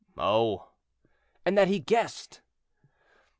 "Oh!" "And that he guessed."